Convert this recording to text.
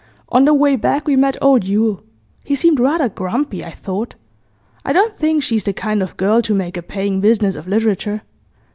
On the way back we met old Yule; he seemed rather grumpy, I thought. I don't think she's the kind of girl to make a paying business of literature.